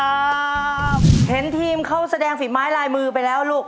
แล้วที่ทีมเข้าแสดงฝีม้ายลายมือไปแล้วลูก